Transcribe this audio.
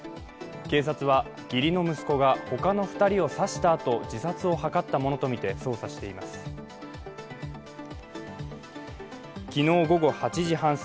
警察は義理の息子が他の２人を刺したあと自殺を図ったものとみて捜査しています。